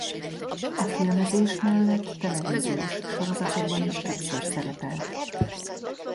A filmezés mellett televíziós sorozatokban is többször szerepelt.